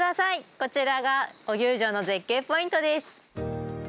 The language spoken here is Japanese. こちらが大給城の絶景ポイントです。